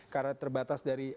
karena terbatas dari